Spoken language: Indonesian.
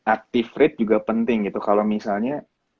active rate juga penting gitu kalau misalnya